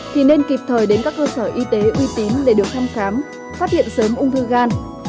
thì nên kịp thời đến các cơ sở y tế uy tín để được thăm khám phát hiện sớm ung thư gan